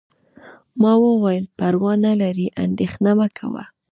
ما وویل: پروا نه لري، اندیښنه مه کوه.